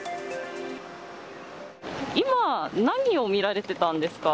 今、何を見られてたんですか？